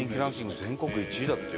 全国１位だってよ。